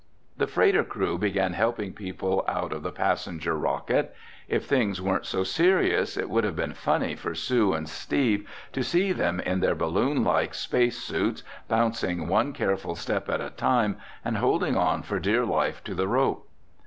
The freighter crew began helping people out of the passenger rocket. If things weren't so serious, it would have been funny for Sue and Steve to see them in their balloon like space suits, bouncing one careful step at a time and holding on for dear life to the rope.